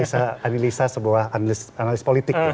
saya analisa sebuah analis politik